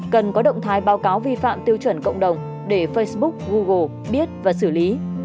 cần có động thái báo cáo vi phạm tiêu chuẩn cộng đồng để facebook google biết và xử lý